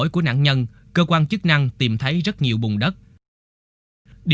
quay quay màu gì